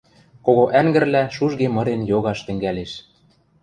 кого ӓнгӹрлӓ шужге мырен йогаш тӹнгӓлеш.